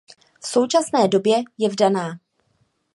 V současné době je vdaná.